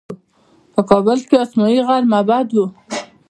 په کابل کې د اسمايي غره معبد و